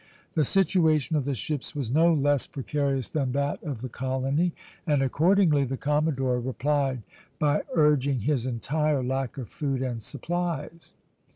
The situation of the ships was no less precarious than that of the colony; and accordingly the commodore replied by urging his entire lack of food and supplies.